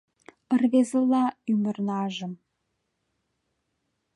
Ырвезыла ӱмырнажым